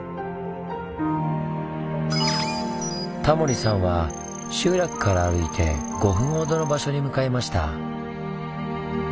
タモリさんは集落から歩いて５分ほどの場所に向かいました。